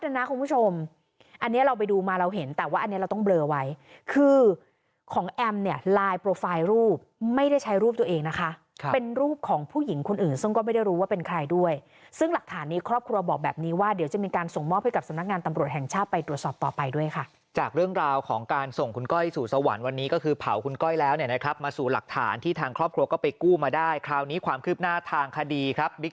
ว่าอันนี้เราต้องเบลอไว้คือของแอมเนี่ยลายโปรไฟล์รูปไม่ได้ใช้รูปตัวเองนะคะเป็นรูปของผู้หญิงคนอื่นซึ่งก็ไม่ได้รู้ว่าเป็นใครด้วยซึ่งหลักฐานนี้ครอบครัวบอกแบบนี้ว่าเดี๋ยวจะมีการส่งมอบให้กับสำนักงานตำรวจแห่งชาติไปตรวจสอบต่อไปด้วยค่ะจากเรื่องราวของการส่งคุณก้อยสู่สวรรค์วันนี้